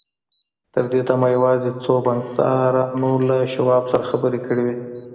تر دې دمه یوازې څو بانکدارانو له شواب سره خبرې کړې وې